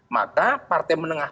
maka partai menengahkan